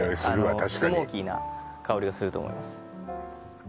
確かになのでスモーキーな香りがすると思います